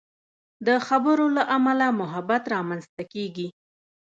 د خبرو له امله محبت رامنځته کېږي.